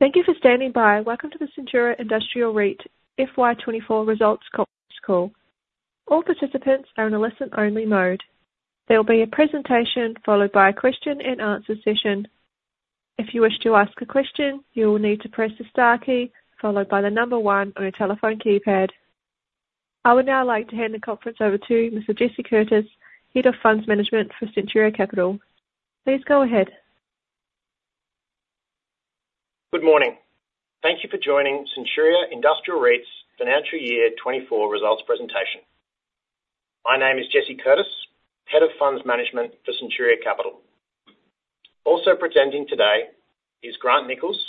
Thank you for standing by. Welcome to the Centuria Industrial REIT FY 2024 results conference call. All participants are in a listen-only mode. There will be a presentation followed by a question-and-answer session. If you wish to ask a question, you will need to press the star key followed by the number one on your telephone keypad. I would now like to hand the conference over to Mr. Jesse Curtis, Head of Funds Management for Centuria Capital. Please go ahead. Good morning. Thank you for joining Centuria Industrial REIT's Financial Year 2024 results presentation. My name is Jesse Curtis, Head of Funds Management for Centuria Capital. Also presenting today is Grant Nichols,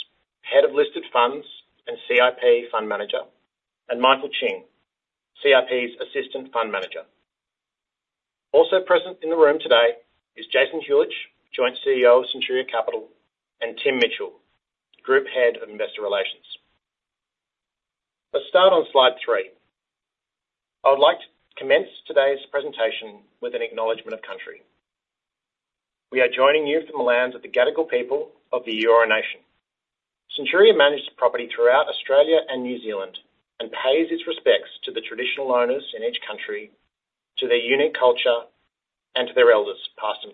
Head of Listed Funds and CIP Fund Manager, and Michael Ching, CIP's Assistant Fund Manager. Also present in the room today is Jason Huljich, Joint CEO of Centuria Capital, and Tim Mitchell, Group Head of Investor Relations. Let's start on slide 3. I would like to commence today's presentation with an acknowledgment of country. We are joining you from the lands of the Gadigal people of the Eora Nation. Centuria manages property throughout Australia and New Zealand and pays its respects to the traditional owners in each country, to their unique culture, and to their elders, past and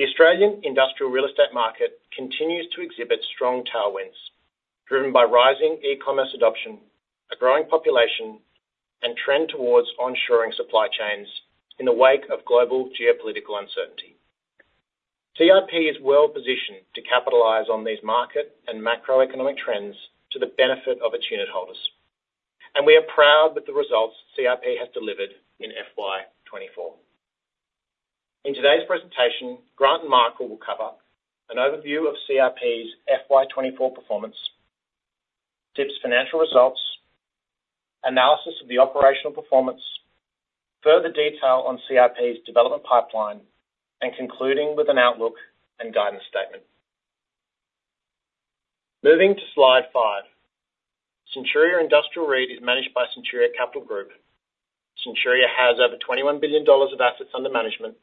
present. The Australian industrial real estate market continues to exhibit strong tailwinds, driven by rising e-commerce adoption, a growing population, and trend towards onshoring supply chains in the wake of global geopolitical uncertainty. CIP is well-positioned to capitalize on these market and macroeconomic trends to the benefit of its unitholders, and we are proud with the results CIP has delivered in FY 2024. In today's presentation, Grant and Michael will cover an overview of CIP's FY 2024 performance, CIP's financial results, analysis of the operational performance, further detail on CIP's development pipeline, and concluding with an outlook and guidance statement. Moving to Slide 5. Centuria Industrial REIT is managed by Centuria Capital Group. Centuria has over 21 billion dollars of assets under management,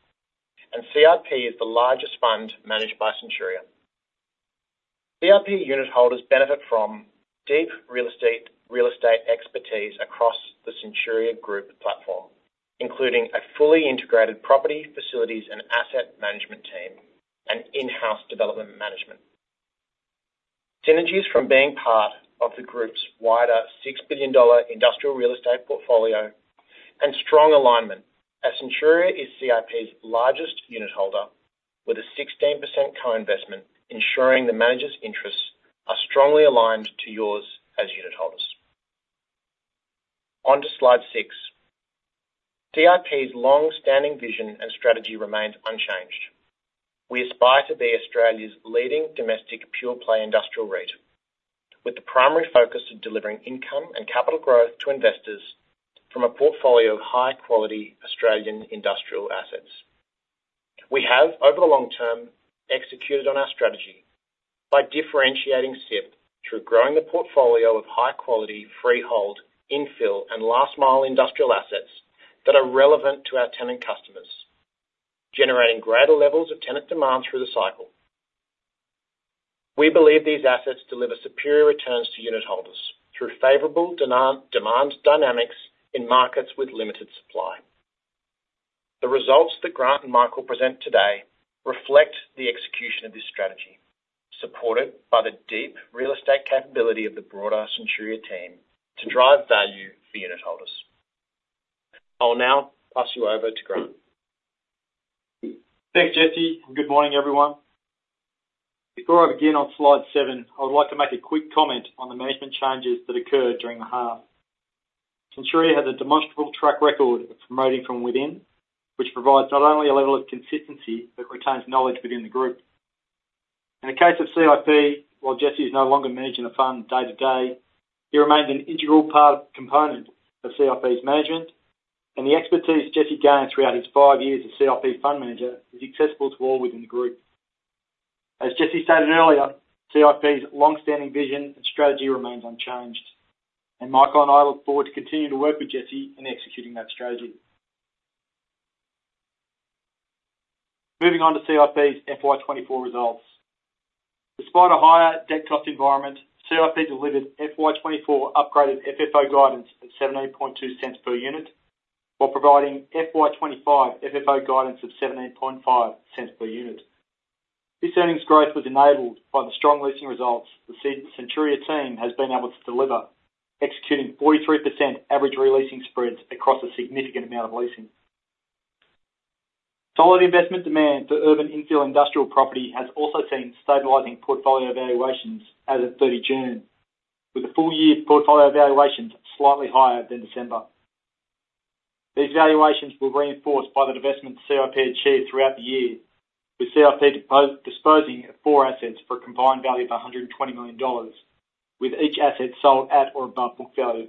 and CIP is the largest fund managed by Centuria. CIP unitholders benefit from deep real estate, real estate expertise across the Centuria Group platform, including a fully integrated property, facilities, and asset management team, and in-house development management. Synergies from being part of the group's wider 6 billion dollar industrial real estate portfolio and strong alignment as Centuria is CIP's largest unitholder, with a 16% co-investment, ensuring the manager's interests are strongly aligned to yours as unitholders. On to Slide 6. CIP's long-standing vision and strategy remains unchanged. We aspire to be Australia's leading domestic pure-play industrial REIT, with the primary focus on delivering income and capital growth to investors from a portfolio of high-quality Australian industrial assets. We have, over the long term, executed on our strategy by differentiating CIP through growing the portfolio of high-quality, freehold, infill, and last-mile industrial assets that are relevant to our tenant customers, generating greater levels of tenant demand through the cycle. We believe these assets deliver superior returns to unitholders through favorable dynamic-demand dynamics in markets with limited supply. The results that Grant and Michael present today reflect the execution of this strategy, supported by the deep real estate capability of the broader Centuria team to drive value for unitholders. I'll now pass you over to Grant. Thanks, Jesse, and good morning, everyone. Before I begin on Slide 7, I would like to make a quick comment on the management changes that occurred during the half. Centuria has a demonstrable track record of promoting from within, which provides not only a level of consistency, but retains knowledge within the group. In the case of CIP, while Jesse is no longer managing the fund day-to-day, he remains an integral component of CIP's management, and the expertise Jesse gained throughout his 5 years as CIP Fund Manager is accessible to all within the group. As Jesse stated earlier, CIP's long-standing vision and strategy remains unchanged, and Michael and I look forward to continuing to work with Jesse in executing that strategy. Moving on to CIP's FY 2024 results. Despite a higher debt cost environment, CIP delivered FY 2024 upgraded FFO guidance of 78.2 cents per unit, while providing FY 2025 FFO guidance of 17.5 cents per unit. This earnings growth was enabled by the strong leasing results the Centuria team has been able to deliver, executing 43% average re-leasing spreads across a significant amount of leasing. Solid investment demand for urban infill industrial property has also seen stabilizing portfolio valuations as of 30 June, with the full-year portfolio valuations slightly higher than December. These valuations were reinforced by the divestment CIP achieved throughout the year, with CIP disposing of 4 assets for a combined value of 120 million dollars, with each asset sold at or above book value.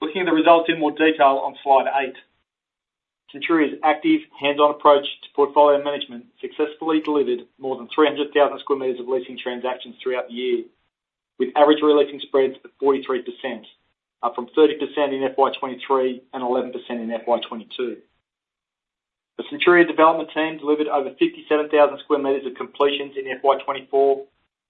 Looking at the results in more detail on Slide 8. Centuria's active, hands-on approach to portfolio management successfully delivered more than 300,000 sq m of leasing transactions throughout the year. With average re-leasing spreads of 43%, up from 30% in FY 2023 and 11% in FY 2022. The Centuria development team delivered over 57,000 square meters of completions in FY 2024,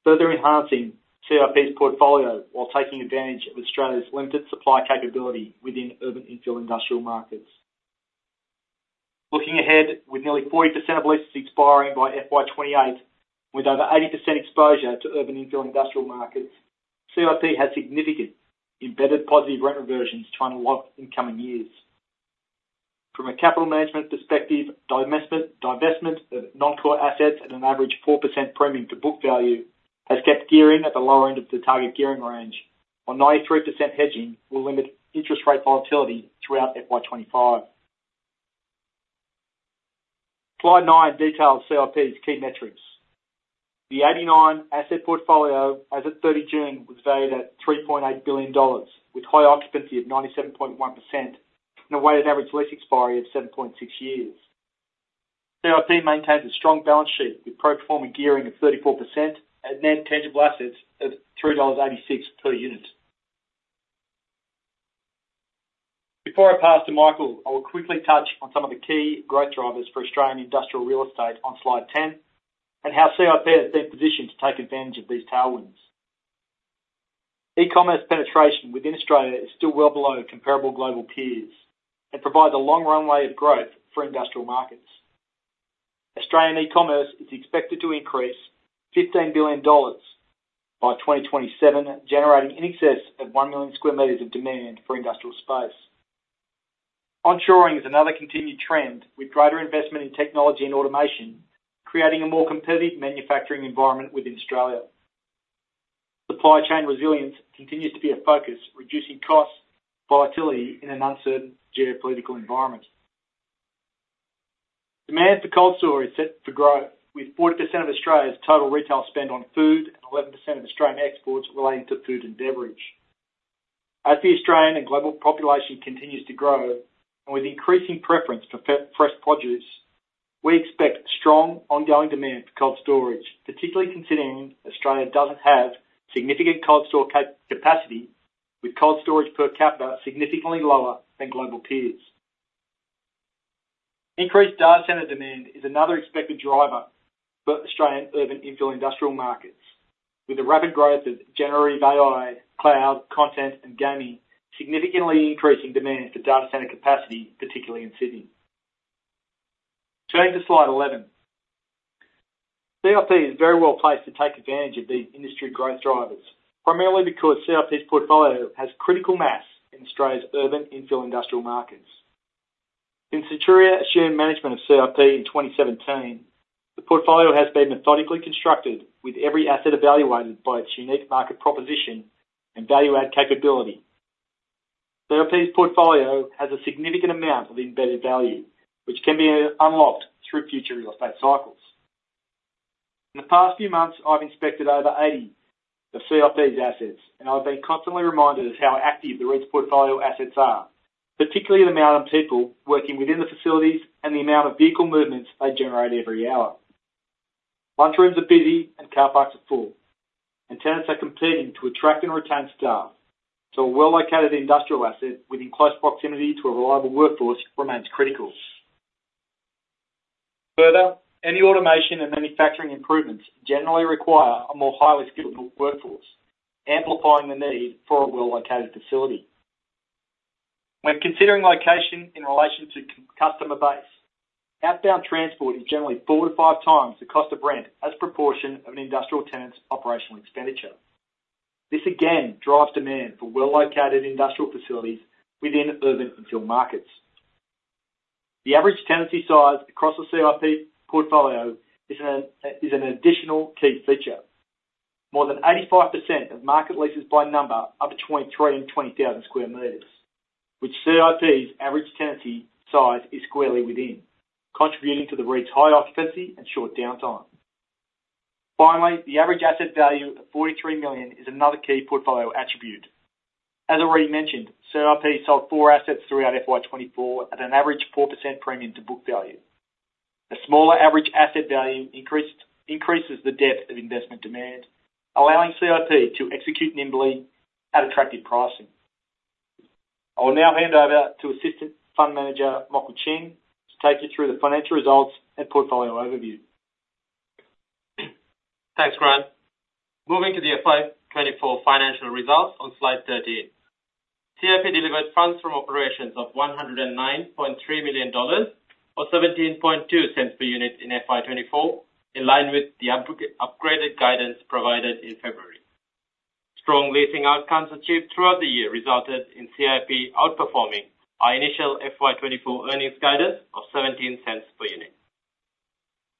further enhancing CIP's portfolio, while taking advantage of Australia's limited supply capability within urban infill industrial markets. Looking ahead, with nearly 40% of leases expiring by FY 2028, with over 80% exposure to urban infill industrial markets, CIP has significant embedded positive rent reversions to unlock in coming years. From a capital management perspective, divestment, divestment of non-core assets at an average 4% premium to book value, has kept gearing at the lower end of the target gearing range, while 93% hedging will limit interest rate volatility throughout FY 2025. Slide nine details CIP's key metrics. The 89-asset portfolio, as of 30 June, was valued at 3.8 billion dollars, with high occupancy of 97.1%, and a weighted average lease expiry of 7.6 years. CIP maintains a strong balance sheet, with pro forma gearing of 34% and net tangible assets of 3.86 dollars per unit. Before I pass to Michael, I will quickly touch on some of the key growth drivers for Australian industrial real estate on slide ten, and how CIP has been positioned to take advantage of these tailwinds. E-commerce penetration within Australia is still well below comparable global peers, and provides a long runway of growth for industrial markets. Australian e-commerce is expected to increase 15 billion dollars by 2027, generating in excess of 1 million sq m of demand for industrial space. Onshoring is another continued trend, with greater investment in technology and automation, creating a more competitive manufacturing environment within Australia. Supply chain resilience continues to be a focus, reducing cost volatility in an uncertain geopolitical environment. Demand for cold store is set to grow, with 40% of Australia's total retail spend on food, and 11% of Australian exports relating to food and beverage. As the Australian and global population continues to grow, and with increasing preference for fresh produce, we expect strong ongoing demand for cold storage, particularly considering Australia doesn't have significant cold store capacity, with cold storage per capita significantly lower than global peers. Increased data center demand is another expected driver for Australian urban infill industrial markets, with the rapid growth of generative AI, cloud, content, and gaming significantly increasing demand for data center capacity, particularly in Sydney. Turning to slide 11. CIP is very well placed to take advantage of these industry growth drivers, primarily because CIP's portfolio has critical mass in Australia's urban infill industrial markets. Since Centuria assumed management of CIP in 2017, the portfolio has been methodically constructed, with every asset evaluated by its unique market proposition and value add capability. CIP's portfolio has a significant amount of embedded value, which can be unlocked through future real estate cycles. In the past few months, I've inspected over 80 of CIP's assets, and I've been constantly reminded of how active the REIT's portfolio assets are, particularly the amount of people working within the facilities and the amount of vehicle movements they generate every hour. Lunchrooms are busy and car parks are full, and tenants are competing to attract and retain staff, so a well-located industrial asset within close proximity to a reliable workforce remains critical. Further, any automation and manufacturing improvements generally require a more highly skilled workforce, amplifying the need for a well-located facility. When considering location in relation to customer base, outbound transport is generally 4x-5x the cost of rent as a proportion of an industrial tenant's operational expenditure. This again drives demand for well-located industrial facilities within urban infill markets. The average tenancy size across the CIP portfolio is an, is an additional key feature. More than 85% of market leases by number are between 3,000 sq m-20,000 sq m, which CIP's average tenancy size is squarely within, contributing to the REIT's high occupancy and short downtime. Finally, the average asset value of 43 million is another key portfolio attribute. As already mentioned, CIP sold 4 assets throughout FY 2024 at an average 4% premium to book value. A smaller average asset value increases the depth of investment demand, allowing CIP to execute nimbly at attractive pricing. I will now hand over to Assistant Fund Manager, Michael Ching, to take you through the financial results and portfolio overview. Thanks, Grant. Moving to the FY 2024 financial results on slide 13. CIP delivered funds from operations of 109.3 million dollars, or 17.2 per unit in FY 2024, in line with the upgraded guidance provided in February. Strong leasing outcomes achieved throughout the year resulted in CIP outperforming our initial FY 2024 earnings guidance of 0.17 per unit.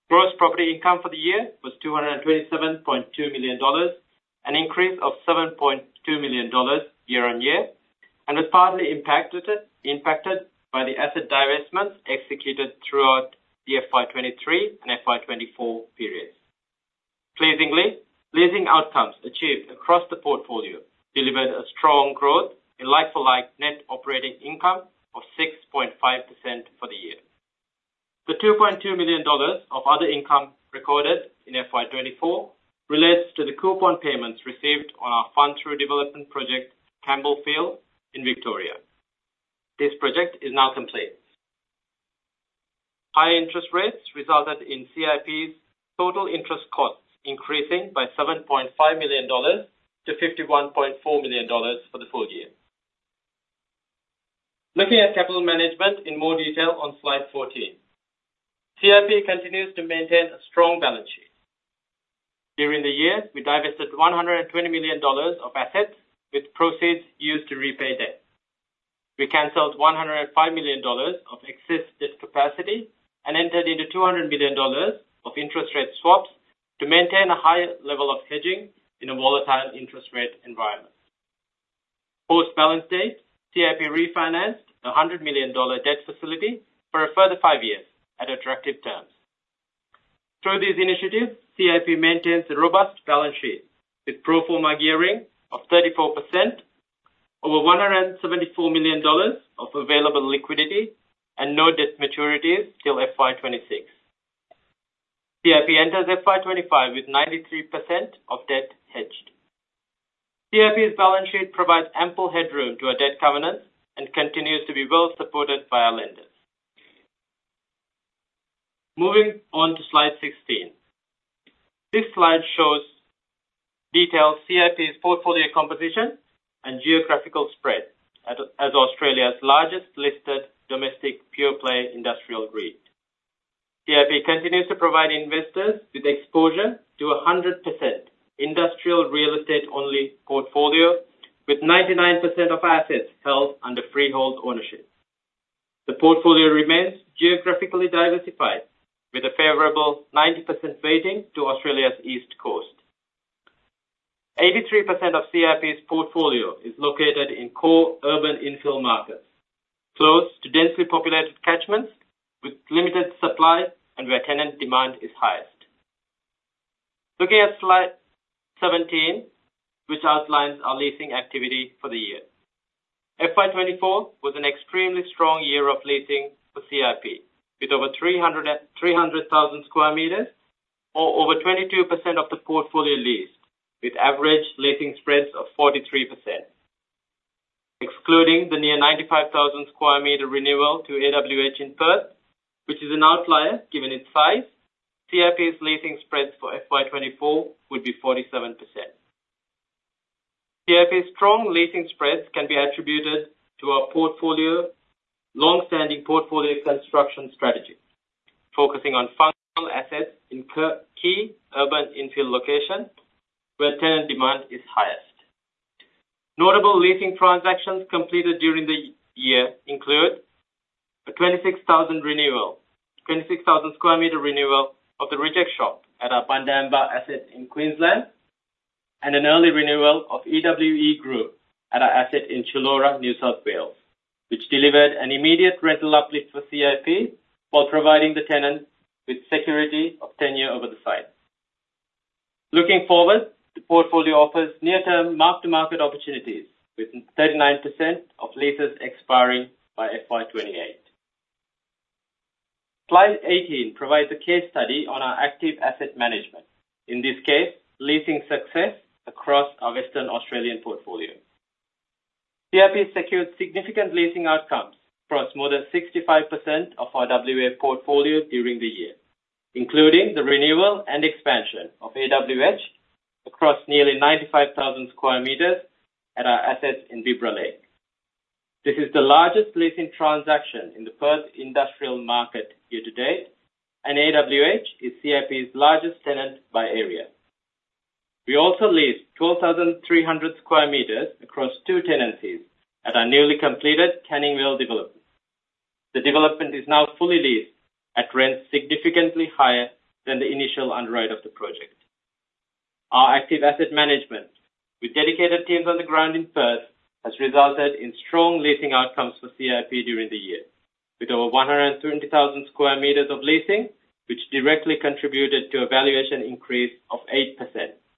Gross property income for the year was 227.2 million dollars, an increase of 7.2 million dollars year-on-year, and was partly impacted by the asset divestments executed throughout the FY 2023 and FY 2024 periods. Pleasingly, leasing outcomes achieved across the portfolio delivered a strong growth in like-for-like net operating income of 6.5% for the year. The 2.2 million dollars of other income recorded in FY 2024 relates to the coupon payments received on our fund-through development project, Campbellfield in Victoria. This project is now complete. High interest rates resulted in CIP's total interest costs increasing by 7.5 million dollars to 51.4 million dollars for the full year. Looking at capital management in more detail on slide 14. CIP continues to maintain a strong balance sheet. During the year, we divested 120 million dollars of assets, with proceeds used to repay debt. We canceled 105 million dollars of excess debt capacity and entered into 200 million dollars of interest rate swaps to maintain a high level of hedging in a volatile interest rate environment. Post balance date, CIP refinanced a 100 million dollar debt facility for a further 5 years at attractive terms. Through these initiatives, CIP maintains a robust balance sheet, with pro forma gearing of 34%, over 174 million dollars of available liquidity, and no debt maturities till FY 2026. CIP enters FY 2025 with 93% of debt hedged. CIP's balance sheet provides ample headroom to our debt covenants and continues to be well supported by our lenders. Moving on to slide 16. This slide shows detailed CIP's portfolio composition and geographical spread as Australia's largest listed domestic pure-play industrial REIT. CIP continues to provide investors with exposure to a 100% industrial real estate-only portfolio, with 99% of assets held under freehold ownership. The portfolio remains geographically diversified, with a favorable 90% weighting to Australia's East Coast. 83% of CIP's portfolio is located in core urban infill markets, close to densely populated catchments, with limited supply and where tenant demand is highest. Looking at slide 17, which outlines our leasing activity for the year. FY 2024 was an extremely strong year of leasing for CIP, with over 300,000 sq m or over 22% of the portfolio leased, with average leasing spreads of 43%. Excluding the near 95,000 square meter renewal to AWH in Perth, which is an outlier given its size, CIP's leasing spreads for FY 2024 would be 47%. CIP's strong leasing spreads can be attributed to our portfolio, long-standing portfolio construction strategy, focusing on functional assets in key urban infill locations where tenant demand is highest. Notable leasing transactions completed during the year include: a 26,000 renewal, 26,000 sq m renewal of The Reject Shop at our Bundamba asset in Queensland, and an early renewal of EWE Group at our asset in Chullora, New South Wales, which delivered an immediate rental uplift for CIP while providing the tenants with security of tenure over the site. Looking forward, the portfolio offers near-term mark-to-market opportunities, with 39% of leases expiring by FY 2028. Slide 18 provides a case study on our active asset management. In this case, leasing success across our Western Australian portfolio. CIP secured significant leasing outcomes across more than 65% of our WA portfolio during the year, including the renewal and expansion of AWH across nearly 95,000 sq m at our assets in Bibra Lake. This is the largest leasing transaction in the Perth industrial market year to date, and AWH is CIP's largest tenant by area. We also leased 12,300 sq m across two tenancies at our newly completed Canning Vale development. The development is now fully leased at rents significantly higher than the initial underwrite of the project. Our active asset management, with dedicated teams on the ground in Perth, has resulted in strong leasing outcomes for CIP during the year, with over 120,000 sq m of leasing, which directly contributed to a valuation increase of 8%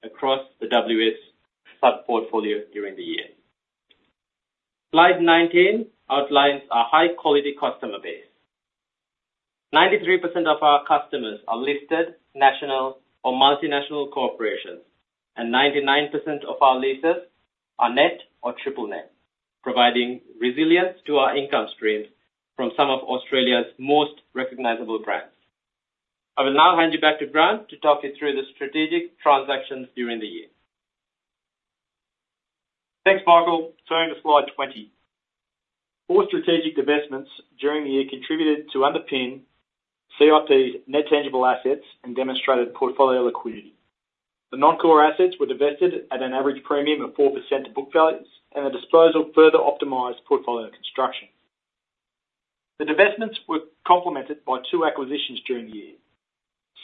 across the WA sub-portfolio during the year. Slide 19 outlines our high-quality customer base. 93% of our customers are listed, national or multinational corporations, and 99% of our leases are net or triple net, providing resilience to our income streams from some of Australia's most recognizable brands. I will now hand you back to Grant to talk you through the strategic transactions during the year. Thanks, Michael. Turning to slide 20. All strategic divestments during the year contributed to underpin CIP's net tangible assets and demonstrated portfolio liquidity. The non-core assets were divested at an average premium of 4% to book values, and the disposal further optimized portfolio construction. The divestments were complemented by 2 acquisitions during the year.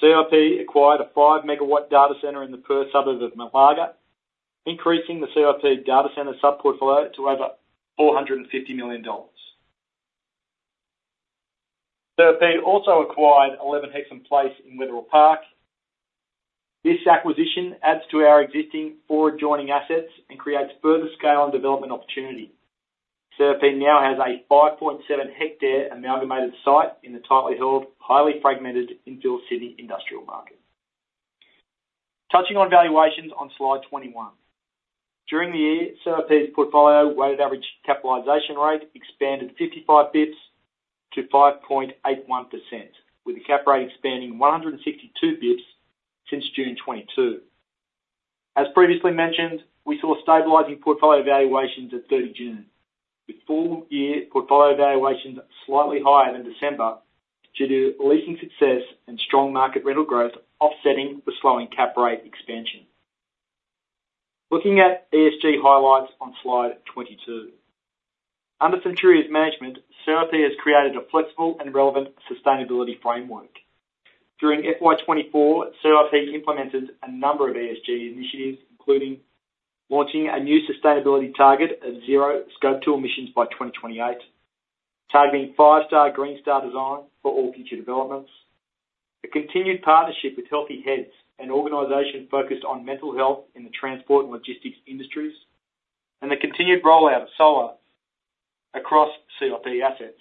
CIP acquired a 5 MW data center in the Perth suburb of Malaga, increasing the CIP data center sub-portfolio to over 450 million dollars. CIP also acquired 11 Hickson Place in Wetherill Park. This acquisition adds to our existing 4 adjoining assets and creates further scale and development opportunity. CIP now has a 5.7 hectare amalgamated site in the tightly held, highly fragmented infill city industrial market. Touching on valuations on slide 21. During the year, CIP's portfolio weighted average capitalization rate expanded 55 basis points to 5.81%, with the cap rate expanding 162 basis points since June 2022. As previously mentioned, we saw stabilizing portfolio valuations at 30 June, with full year portfolio valuations slightly higher than December, due to leasing success and strong market rental growth offsetting the slowing cap rate expansion. Looking at ESG highlights on slide 22. Under Centuria's management, CIP has created a flexible and relevant sustainability framework. During FY 2024, CIP implemented a number of ESG initiatives, including launching a new sustainability target of 0 Scope 2 emissions by 2028, targeting 5-star Green Star design for all future developments, a continued partnership with Healthy Heads, an organization focused on mental health in the transport and logistics industries, and the continued rollout of solar across CIP assets.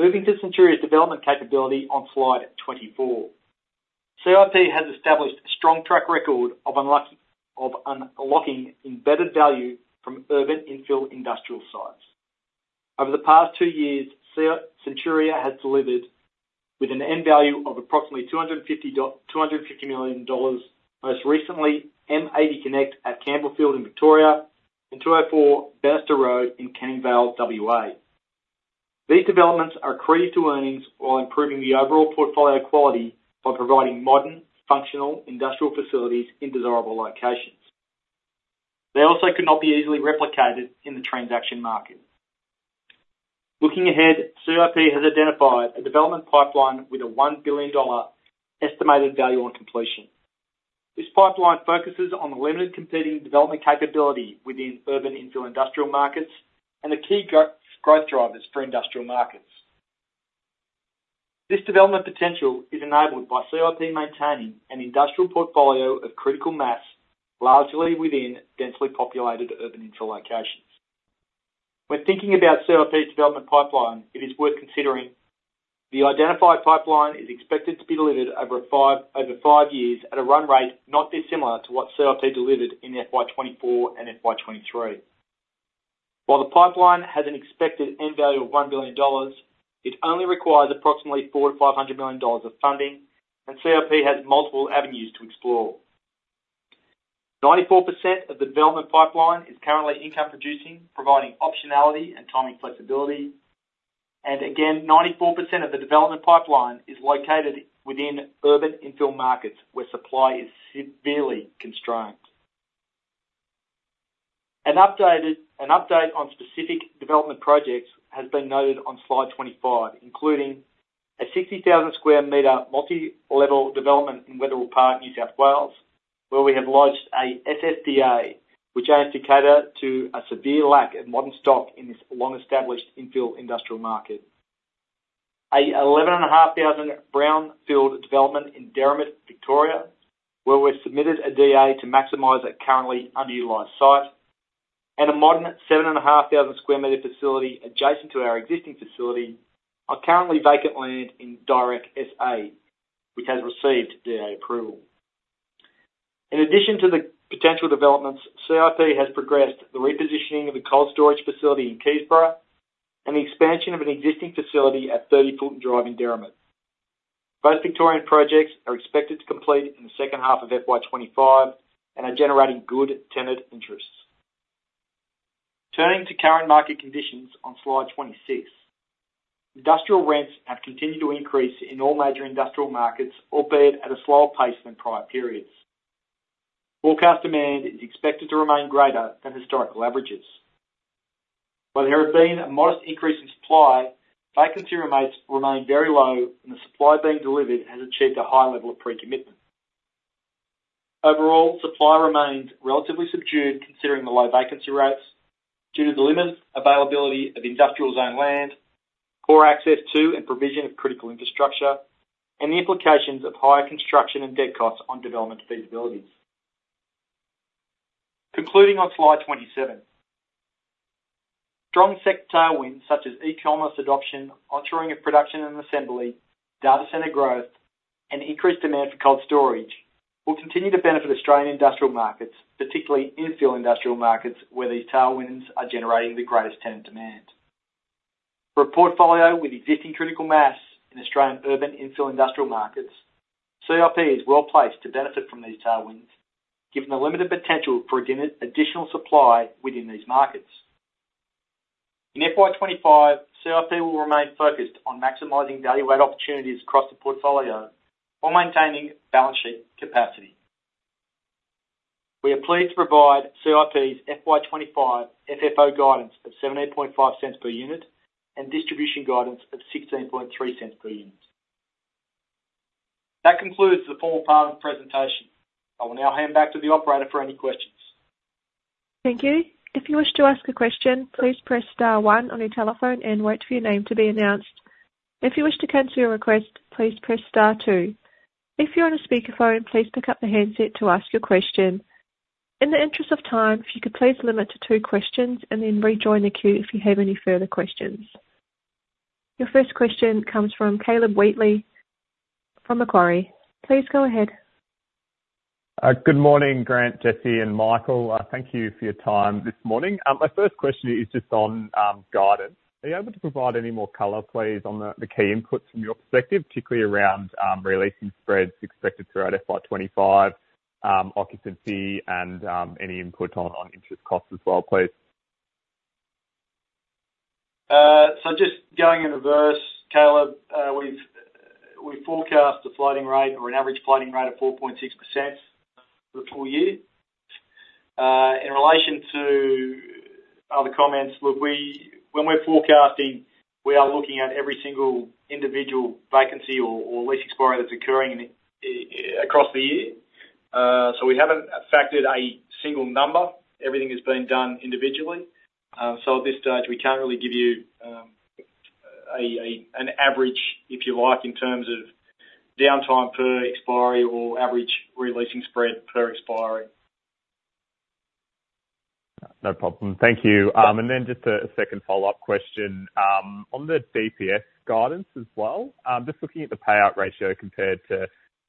Moving to Centuria's development capability on slide 24. CIP has established a strong track record of unlocking embedded value from urban infill industrial sites. Over the past two years, Centuria has delivered with an end value of approximately 250 million dollars, most recently, M80 Connect at Campbellfield in Victoria, and 204 Bannister Road in Canning Vale, WA. These developments are accretive to earnings, while improving the overall portfolio quality by providing modern, functional industrial facilities in desirable locations. They also could not be easily replicated in the transaction market. Looking ahead, CIP has identified a development pipeline with a 1 billion dollar estimated value on completion. This pipeline focuses on the limited competing development capability within urban infill industrial markets and the key growth drivers for industrial markets. This development potential is enabled by CIP maintaining an industrial portfolio of critical mass, largely within densely populated urban infill locations. When thinking about CIP's development pipeline, it is worth considering the identified pipeline is expected to be delivered over five years at a run rate not dissimilar to what CIP delivered in FY 2024 and FY 2023. While the pipeline has an expected end value of 1 billion dollars, it only requires approximately 400 million-500 million dollars of funding, and CIP has multiple avenues to explore. 94% of the development pipeline is currently income producing, providing optionality and timing flexibility. And again, 94% of the development pipeline is located within urban infill markets, where supply is severely constrained. An update on specific development projects has been noted on slide 25, including a 60,000 sq m multi-level development in Wetherill Park, New South Wales, where we have lodged a SSDA, which aims to cater to a severe lack of modern stock in this long-established infill industrial market. An 11,500 brownfield development in Derrimut, Victoria, where we've submitted a DA to maximize a currently underutilized site, and a modern 7,500 sq m facility adjacent to our existing facility on currently vacant land in Direk, SA, which has received DA approval. In addition to the potential developments, CIP has progressed the repositioning of the cold storage facility in Keysborough, and the expansion of an existing facility at 30 Fulton Drive in Derrimut. Both Victorian projects are expected to complete in the second half of FY 2025 and are generating good tenanted interests. Turning to current market conditions on slide 26. Industrial rents have continued to increase in all major industrial markets, albeit at a slower pace than prior periods. Forecast demand is expected to remain greater than historical averages. While there have been a modest increase in supply, vacancy remains very low, and the supply being delivered has achieved a high level of pre-commitment. Overall, supply remains relatively subdued, considering the low vacancy rates, due to the limited availability of industrial zoned land, poor access to and provision of critical infrastructure, and the implications of higher construction and debt costs on development feasibilities. Concluding on slide 27. Strong sector tailwinds, such as e-commerce adoption, onshoring of production and assembly, data center growth, and increased demand for cold storage, will continue to benefit Australian industrial markets, particularly infill industrial markets, where these tailwinds are generating the greatest tenant demand. For a portfolio with existing critical mass in Australian urban infill industrial markets, CIP is well placed to benefit from these tailwinds, given the limited potential for additional supply within these markets. In FY 2025, CIP will remain focused on maximizing value add opportunities across the portfolio, while maintaining balance sheet capacity. We are pleased to provide CIP's FY 2025 FFO guidance of 78.5 cents per unit, and distribution guidance of 16.3 cents per unit. That concludes the formal part of the presentation. I will now hand back to the operator for any questions. Thank you. If you wish to ask a question, please press star one on your telephone and wait for your name to be announced. If you wish to cancel your request, please press star two. If you're on a speakerphone, please pick up the handset to ask your question. In the interest of time, if you could please limit to two questions and then rejoin the queue if you have any further questions. Your first question comes from Caleb Wheatley from Macquarie. Please go ahead. Good morning, Grant, Jesse, and Michael. Thank you for your time this morning. My first question is just on guidance. Are you able to provide any more color, please, on the key inputs from your perspective, particularly around re-leasing spreads expected throughout FY 2025, occupancy and any input on interest costs as well, please? So just going in reverse, Caleb, we've forecast a floating rate or an average floating rate of 4.6% for the full year. In relation to other comments, look, we when we're forecasting, we are looking at every single individual vacancy or lease expiry that's occurring across the year. So we haven't factored a single number. Everything is being done individually. So at this stage, we can't really give you an average, if you like, in terms of downtime per expiry or average re-leasing spread per expiry. No problem. Thank you. And then just a second follow-up question. On the DPS guidance as well, just looking at the payout ratio compared to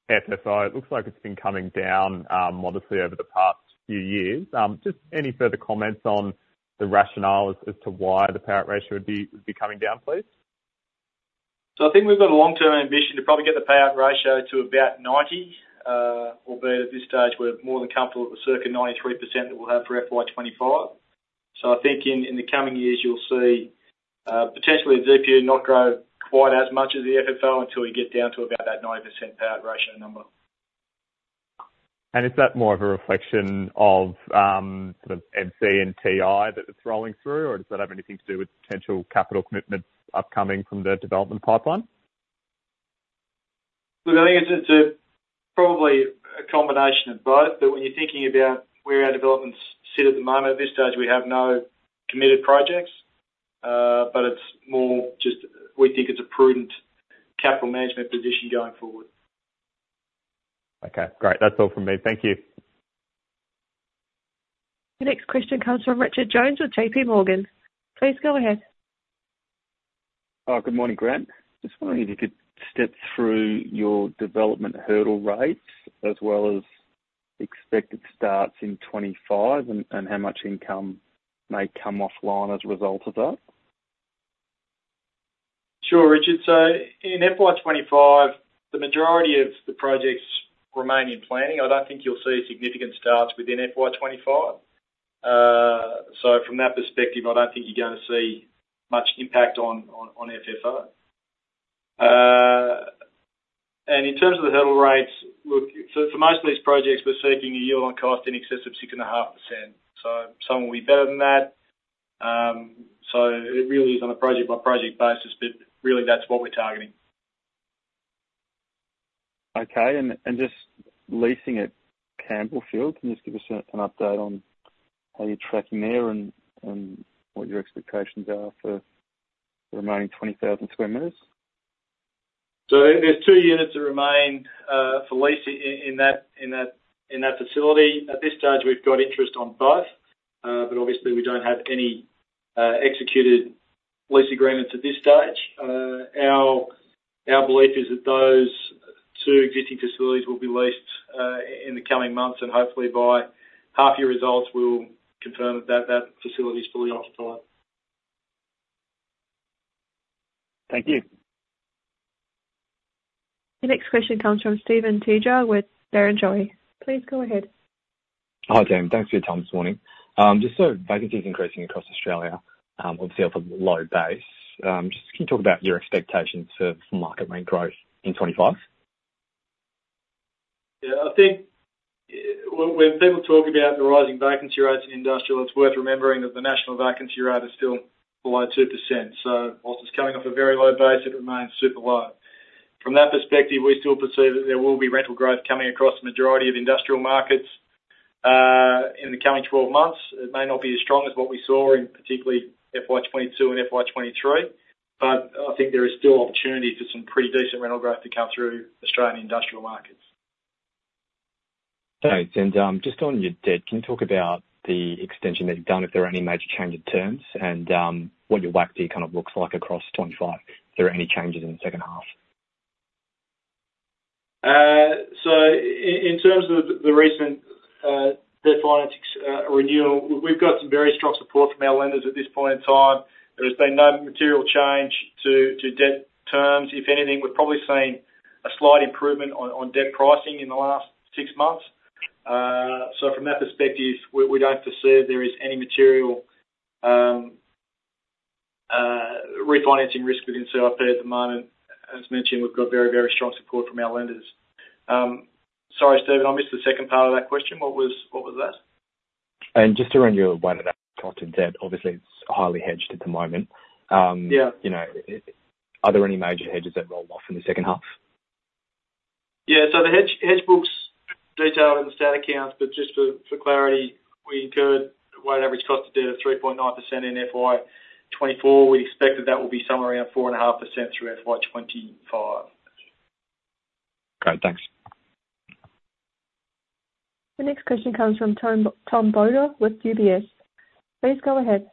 FFO, it looks like it's been coming down modestly over the past few years. Just any further comments on the rationale as to why the payout ratio would be coming down, please? So I think we've got a long-term ambition to probably get the payout ratio to about 90. Although at this stage, we're more than comfortable with the circa 93% that we'll have for FY 2025. So I think in the coming years, you'll see potentially DPU not grow quite as much as the FFO until we get down to about that 90% payout ratio number. Is that more of a reflection of sort of MC and TI that it's rolling through, or does that have anything to do with potential capital commitments upcoming from the development pipeline? Look, I think it's, it's a, probably a combination of both, but when you're thinking about where our developments sit at the moment, at this stage, we have no committed projects, but it's more just we think it's a prudent capital management position going forward. Okay, great. That's all from me. Thank you. The next question comes from Richard Jones with JPMorgan. Please go ahead. Good morning, Grant. Just wondering if you could step through your development hurdle rates as well as expected starts in 2025 and how much income may come offline as a result of that? Sure, Richard. So in FY 2025, the majority of the projects remain in planning. I don't think you'll see significant starts within FY 2025. So from that perspective, I don't think you're gonna see much impact on FFO. And in terms of the hurdle rates, look, so for most of these projects, we're seeking a yield on cost in excess of 6.5%, so some will be better than that. So it really is on a project-by-project basis, but really, that's what we're targeting. Okay, and just leasing at Campbellfield, can you just give us an update on how you're tracking there and what your expectations are for the remaining 20,000 sq m? So there's two units that remain for lease in that facility. At this stage, we've got interest on both, but obviously we don't have any executed lease agreements at this stage. Our belief is that those two existing facilities will be leased in the coming months, and hopefully by half year results, we'll confirm that facility is fully occupied. Thank you. The next question comes from Steven Tjia with Barrenjoey. Please go ahead. Hi, Grant. Thanks for your time this morning. Just so vacancy is increasing across Australia, obviously off a low base, just can you talk about your expectations for market rent growth in 2025? Yeah, I think when people talk about the rising vacancy rates in industrial, it's worth remembering that the national vacancy rate is still below 2%. So while it's coming off a very low base, it remains super low. From that perspective, we still foresee that there will be rental growth coming across the majority of industrial markets in the coming 12 months. It may not be as strong as what we saw in particularly FY 2022 and FY 2023, but I think there is still opportunity for some pretty decent rental growth to come through Australian industrial markets. Thanks. And, just on your debt, can you talk about the extension that you've done, if there are any major change in terms, and, what your WACD kind of looks like across 2025? There are any changes in the second half. So in terms of the recent debt finance renewal, we've got some very strong support from our lenders at this point in time. There has been no material change to debt terms. If anything, we've probably seen a slight improvement on debt pricing in the last six months. So from that perspective, we don't foresee there is any material refinancing risk within CIP at the moment. As mentioned, we've got very, very strong support from our lenders. Sorry, Steven, I missed the second part of that question. What was that? Just to run you through our debt, obviously, it's highly hedged at the moment. Yeah. You know, are there any major hedges that roll off in the second half? Yeah, so the hedge books detailed in the stat accounts, but just for clarity, we incurred a weighted average cost of debt of 3.9% in FY 2024. We expect that will be somewhere around 4.5% through FY 2025. Great, thanks. The next question comes from Tom Boulton with UBS. Please go ahead.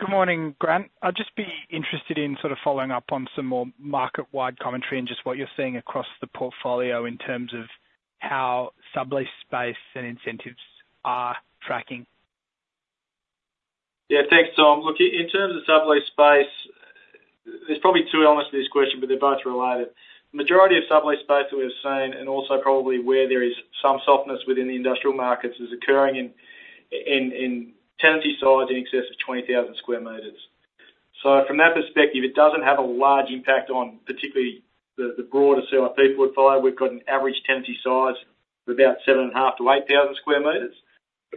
Good morning, Grant. I'd just be interested in sort of following up on some more market-wide commentary and just what you're seeing across the portfolio in terms of how sublease space and incentives are tracking. Yeah, thanks, Tom. Look, in terms of sublease space, there's probably 2 elements to this question, but they're both related. Majority of sublease space that we've seen, and also probably where there is some softness within the industrial markets, is occurring in, in, in tenancy size in excess of 20,000 sq m. So from that perspective, it doesn't have a large impact on particularly the, the broader CIP portfolio. We've got an average tenancy size of about 7,500 sq m-8,000 sq m,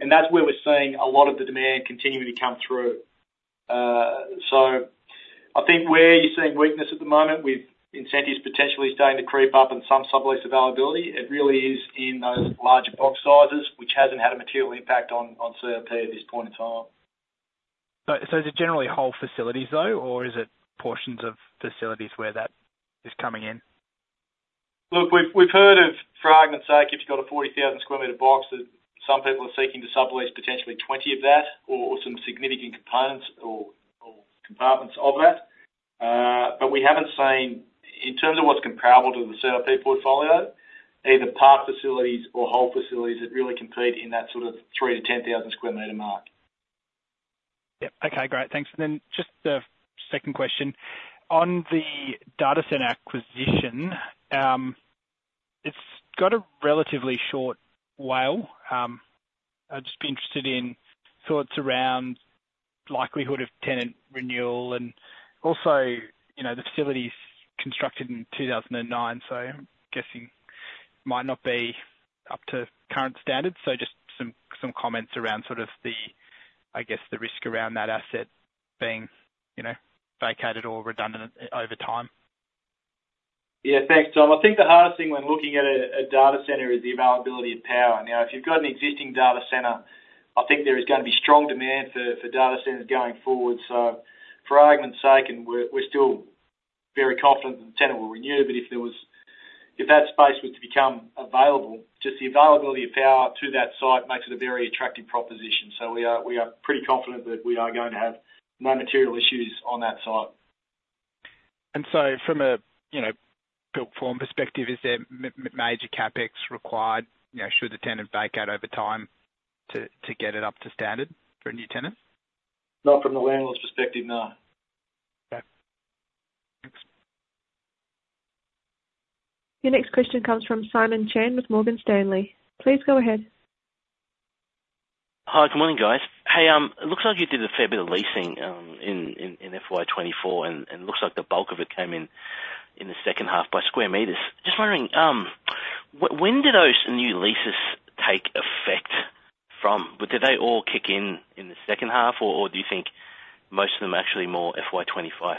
and that's where we're seeing a lot of the demand continuing to come through. So I think where you're seeing weakness at the moment, with incentives potentially starting to creep up and some sublease availability, it really is in those larger box sizes, which hasn't had a material impact on, on CIP at this point in time. So, is it generally whole facilities, though, or is it portions of facilities where that is coming in? Look, we've heard of, for argument's sake, if you've got a 40,000 sq m box, that some people are seeking to sublease potentially 20 of that or some significant components or compartments of that. But we haven't seen, in terms of what's comparable to the CIP portfolio, either park facilities or whole facilities that really compete in that sort of 3,000-10,000 sq m mark. Yep. Okay, great. Thanks. And then just a second question. On the data center acquisition, it's got a relatively short WALE. I'd just be interested in thoughts around likelihood of tenant renewal and also, you know, the facility's constructed in 2009, so I'm guessing might not be up to current standards. So just some comments around sort of the, I guess, the risk around that asset being, you know, vacated or redundant over time. Yeah. Thanks, Tom. I think the hardest thing when looking at a data center is the availability of power. Now, if you've got an existing data center, I think there is going to be strong demand for data centers going forward. So for argument's sake, and we're still very confident the tenant will renew, but if there was, if that space were to become available, just the availability of power to that site makes it a very attractive proposition. So we are pretty confident that we are going to have no material issues on that site. And so from a, you know, built form perspective, is there major CapEx required, you know, should the tenant vacate over time to get it up to standard for a new tenant? Not from the landlord's perspective, no. Okay. Thanks. Your next question comes from Simon Chan with Morgan Stanley. Please go ahead. Hi, good morning, guys. Hey, it looks like you did a fair bit of leasing in FY 2024, and looks like the bulk of it came in in the second half by square meters. Just wondering, when did those new leases take effect from? Did they all kick in in the second half, or do you think most of them are actually more FY 2025?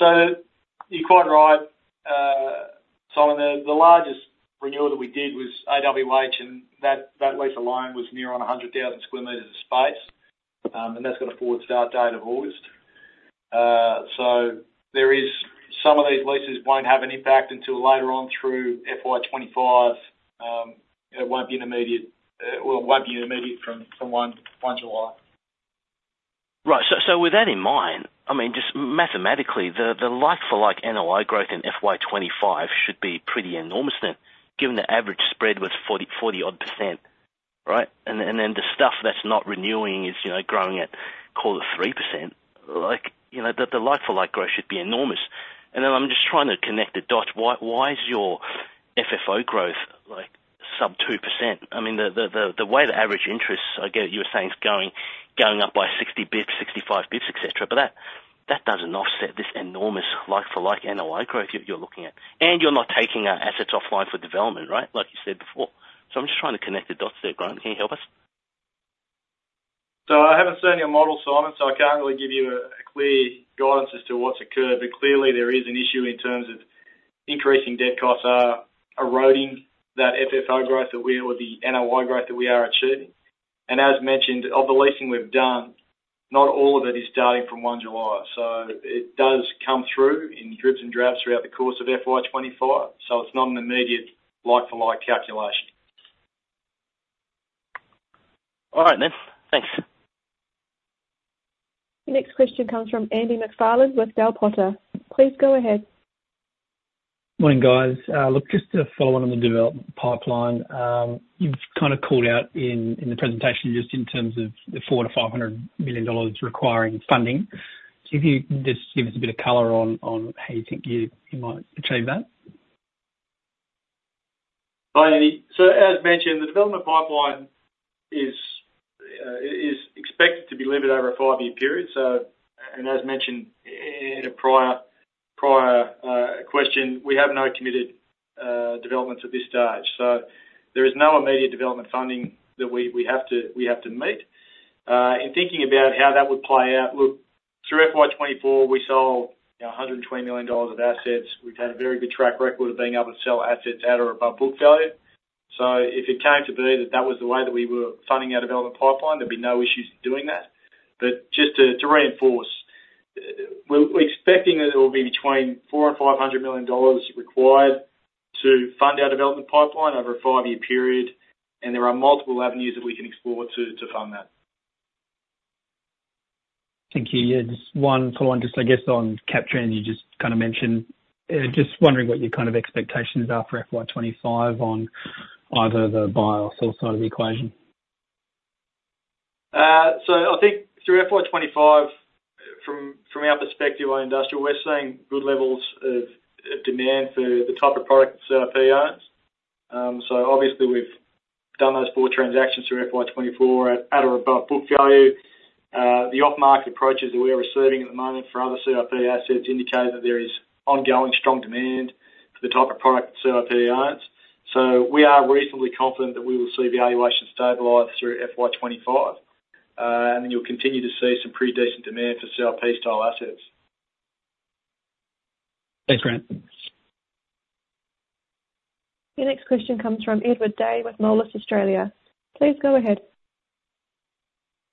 So you're quite right. So the, the largest renewal that we did was AWH, and that, that lease alone was near on 100,000 sq m of space, and that's got a forward start date of August. So there is some of these leases won't have an impact until later on through FY 2025. It won't be an immediate, well, it won't be an immediate from 1 July. Right. So with that in mind, I mean, just mathematically, the like-for-like NOI growth in FY 2025 should be pretty enormous then, given the average spread was 40%, 40-odd%. Right? And then the stuff that's not renewing is, you know, growing at, call it 3%. Like, you know, the like-for-like growth should be enormous. And then I'm just trying to connect the dots. Why is your FFO growth like sub 2%? I mean, the way the average interest, I get you were saying, is going up by 60 basis points, 65 basis points, et cetera, but that doesn't offset this enormous like-for-like NOI growth you're looking at. And you're not taking assets offline for development, right? Like you said before. So I'm just trying to connect the dots there, Grant. Can you help us? So I haven't seen your model, Simon, so I can't really give you a clear guidance as to what's occurred, but clearly there is an issue in terms of increasing debt costs are eroding that FFO growth, that we or the NOI growth that we are achieving. And as mentioned, of the leasing we've done, not all of it is starting from 1 July, so it does come through in dribs and drabs throughout the course of FY 2025. So it's not an immediate like-for-like calculation. All right, then. Thanks. The next question comes from Andy MacFarlane with Bell Potter. Please go ahead. Morning, guys. Look, just to follow on the development pipeline, you've kind of called out in the presentation just in terms of the 400 million-500 million dollars requiring funding. So if you can just give us a bit of color on how you think you might achieve that. Hi, Andy. So as mentioned, the development pipeline is expected to be delivered over a five-year period. So, and as mentioned in a prior question, we have no committed developments at this stage. So there is no immediate development funding that we have to meet. In thinking about how that would play out, look, through FY 2024, we sold, you know, 120 million dollars of assets. We've had a very good track record of being able to sell assets at or above book value. So if it came to be that that was the way that we were funding our development pipeline, there'd be no issues doing that. Just to reinforce, we're expecting that it will be between 400 million-500 million dollars required to fund our development pipeline over a five-year period, and there are multiple avenues that we can explore to fund that. Thank you. Yeah, just one follow-on, just I guess on CapTrans, you just kind of mentioned. Just wondering what your kind of expectations are for FY 2025 on either the buy or sell side of the equation. So I think through FY 2025, from our perspective on industrial, we're seeing good levels of demand for the type of product that CIP owns. So obviously, we've done those 4 transactions through FY 2024 at or above book value. The off-market approaches that we are receiving at the moment for other CIP assets indicate that there is ongoing strong demand for the type of product that CIP owns. So we are reasonably confident that we will see valuations stabilize through FY 2025. And you'll continue to see some pretty decent demand for CIP style assets. Thanks, Grant. Your next question comes from Edward Day with Moelis Australia. Please go ahead.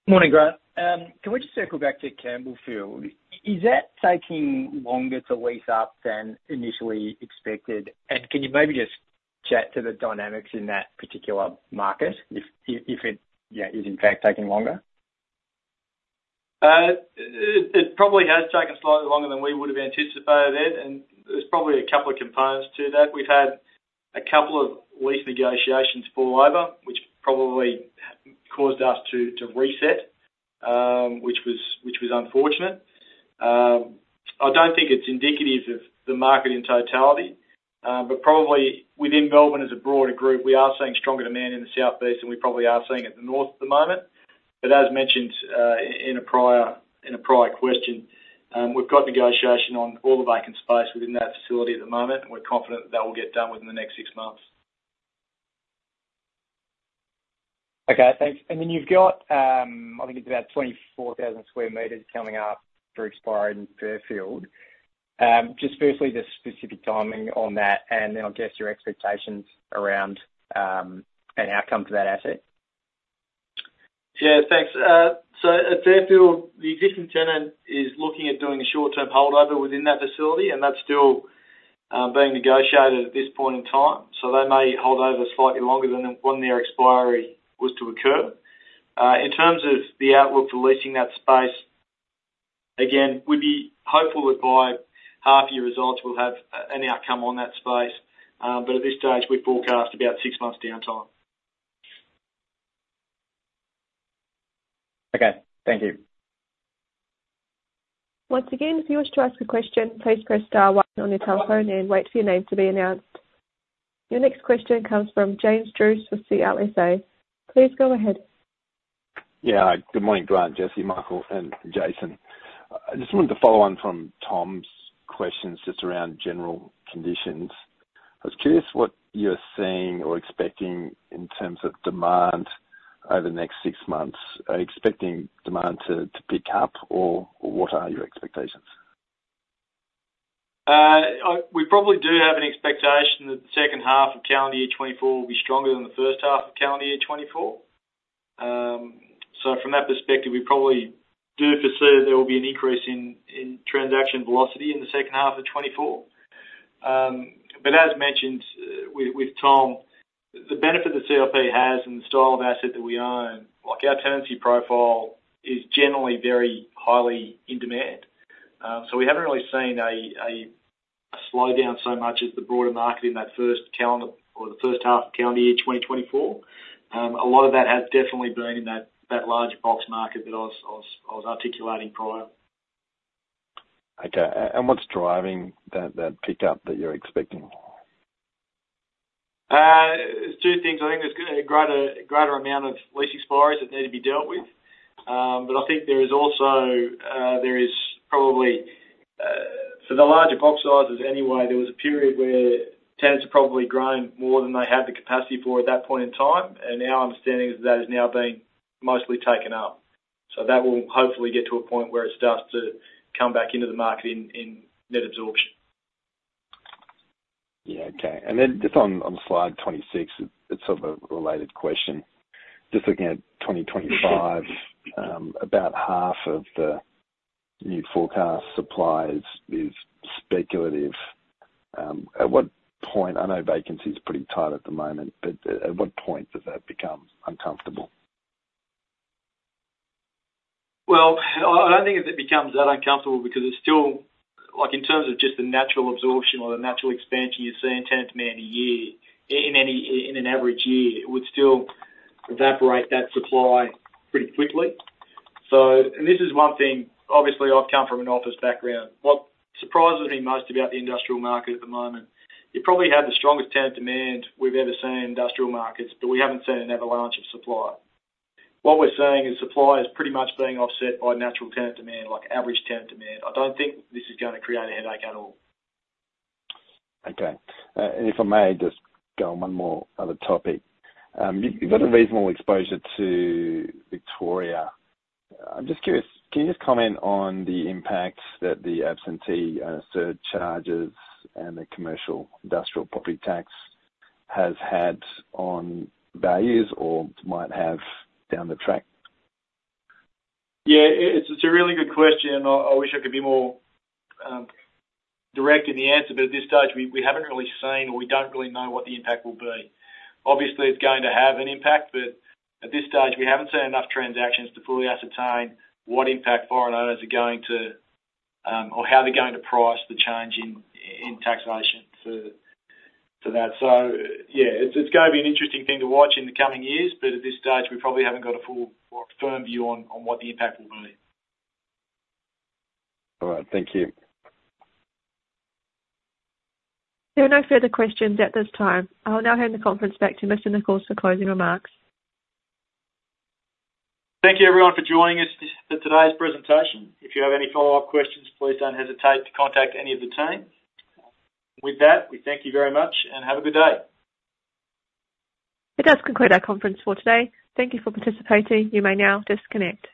Morning, Grant. Can we just circle back to Campbellfield? Is that taking longer to lease up than initially expected? Can you maybe just chat to the dynamics in that particular market if it is in fact taking longer? It probably has taken slightly longer than we would've anticipated, Ed, and there's probably a couple of components to that. We've had a couple of lease negotiations fall over, which probably caused us to reset, which was unfortunate. I don't think it's indicative of the market in totality, but probably within Melbourne as a broader group, we are seeing stronger demand in the southeast than we probably are seeing at the north at the moment. But as mentioned, in a prior question, we've got negotiation on all the vacant space within that facility at the moment, and we're confident that will get done within the next six months. Okay, thanks. And then you've got, I think it's about 24,000 sq m coming up for expiry in Fairfield. Just firstly, the specific timing on that, and then I'll guess your expectations around an outcome to that asset. Yeah, thanks. So at Fairfield, the existing tenant is looking at doing a short-term holdover within that facility, and that's still being negotiated at this point in time. So they may hold over slightly longer than when their expiry was to occur. In terms of the outlook for leasing that space, again, we'd be hopeful that by half year results, we'll have an outcome on that space, but at this stage, we forecast about six months downtime. Okay, thank you. Once again, if you wish to ask a question, please press star one on your telephone and wait for your name to be announced. Your next question comes from James Druce with CLSA. Please go ahead. Yeah. Good morning, Grant, Jesse, Michael, and Jason. I just wanted to follow on from Tom's questions, just around general conditions. I was curious what you're seeing or expecting in terms of demand over the next six months. Are you expecting demand to pick up, or what are your expectations? We probably do have an expectation that the second half of calendar year 2024 will be stronger than the first half of calendar year 2024. So from that perspective, we probably do foresee that there will be an increase in transaction velocity in the second half of 2024. But as mentioned, with Tom, the benefit that CIP has and the style of asset that we own, like, our tenancy profile is generally very highly in demand. So we haven't really seen a slowdown so much as the broader market in that first calendar or the first half of calendar year 2024. A lot of that has definitely been in that large box market that I was articulating prior. Okay, and what's driving that, that pickup that you're expecting? There's two things. I think there's a greater, greater amount of lease expiries that need to be dealt with. But I think there is also... there is probably, for the larger box sizes anyway, there was a period where tenants had probably grown more than they had the capacity for at that point in time, and our understanding is that has now been mostly taken up. So that will hopefully get to a point where it starts to come back into the market in, in net absorption. Yeah. Okay. And then just on slide 26, it's sort of a related question. Just looking at 2025, about half of the new forecast supply is speculative. At what point, I know vacancy is pretty tight at the moment, but at what point does that become uncomfortable? Well, I don't think it becomes that uncomfortable because it's still, like, in terms of just the natural absorption or the natural expansion, you're seeing tenant demand a year, in any, in an average year, it would still evaporate that supply pretty quickly. So, and this is one thing, obviously, I've come from an office background. What surprises me most about the industrial market at the moment, you probably have the strongest tenant demand we've ever seen in industrial markets, but we haven't seen an avalanche of supply. What we're seeing is supply is pretty much being offset by natural tenant demand, like average tenant demand. I don't think this is gonna create a headache at all. Okay. If I may just go on one more other topic. You- Sure. You've got a reasonable exposure to Victoria. I'm just curious, can you just comment on the impact that the absentee surcharges and the commercial industrial property tax has had on values or might have down the track? Yeah, it's a really good question. I wish I could be more direct in the answer, but at this stage, we haven't really seen, or we don't really know what the impact will be. Obviously, it's going to have an impact, but at this stage, we haven't seen enough transactions to fully ascertain what impact foreign owners are going to, or how they're going to price the change in taxation to that. So yeah, it's going to be an interesting thing to watch in the coming years, but at this stage, we probably haven't got a full or firm view on what the impact will be. All right, thank you. There are no further questions at this time. I will now hand the conference back to Mr. Nichols for closing remarks. Thank you, everyone, for joining us for today's presentation. If you have any follow-up questions, please don't hesitate to contact any of the team. With that, we thank you very much, and have a good day. That does conclude our conference for today. Thank you for participating. You may now disconnect.